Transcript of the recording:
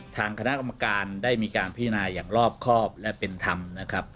ทางคณะกรรมการได้มีการพิจารณาอย่างรอบครอบและเป็นธรรมนะครับ